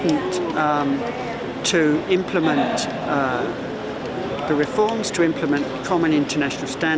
untuk mempertahankan kepercayaan